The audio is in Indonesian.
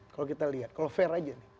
kalau kita lihat kalau fair aja nih